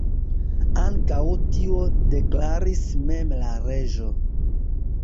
Ankaŭ tion deklaris mem la reĝo.